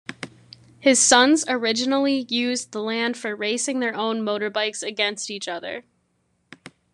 His sons originally used the land for racing their own motorbikes against each other.